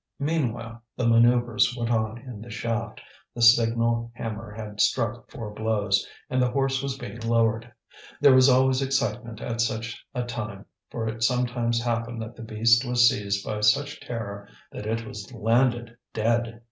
Meanwhile, the manoeuvres went on in the shaft, the signal hammer had struck four blows, and the horse was being lowered; there was always excitement at such a time, for it sometimes happened that the beast was seized by such terror that it was landed dead.